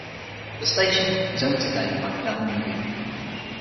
The station is owned today by Bell Media.